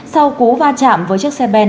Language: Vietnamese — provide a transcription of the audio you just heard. sau cú va chạm với chiếc xe ben